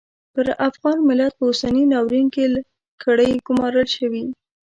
پر افغان ملت په اوسني ناورین کې کړۍ ګومارل شوې.